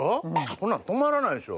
こんなん止まらないでしょ。